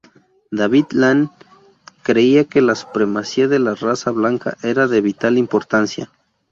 David Lane creía que la supremacía de la raza blanca era de vital importancia.